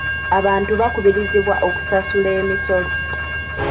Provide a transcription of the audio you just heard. Abantu bakubirizibwa okusasula emisolo